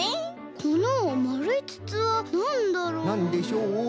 このまるいつつはなんだろう？なんでしょう？